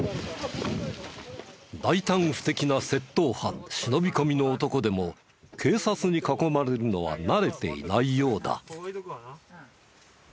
大胆不敵な窃盗犯忍び込みの男でも警察に囲まれるのは慣れていないようだ。